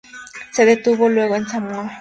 Se detuvo luego en Samoa.